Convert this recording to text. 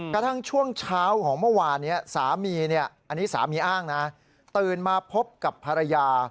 กระทั่งช่วงเช้าของเมื่อวานนี้สามีอ้างตื่นมาพบกับภรรยา